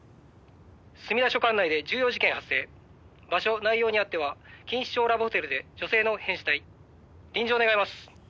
「墨田署管内で重要事件発生」「場所内容にあっては錦糸町ラブホテルで女性の変死体」「臨場願います」